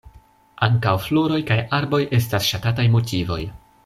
Ankaŭ floroj kaj arboj estas ŝatataj motivoj.